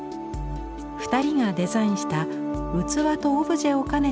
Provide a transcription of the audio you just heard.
２人がデザインした器とオブジェを兼ねた作品。